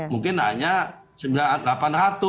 mungkin hanya delapan ratus